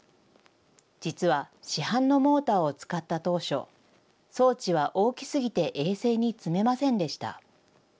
実は、市販のモーターを使った当初、装置は大きすぎて衛星に積めませんでした。